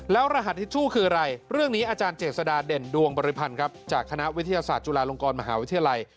แล้วรหัสทิชชู่คืออะไรเรื่องนี้อาจารย์เจษฎาเด่นดวงบริพันธ์ครับจากคณะวิทยาศาสตร์จุฬาลงกรมหาวิทยาลัย